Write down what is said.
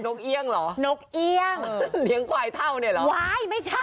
นกเอี่ยงเหรอเลี้ยงควายเท่านี่หรอว้ายไม่ใช่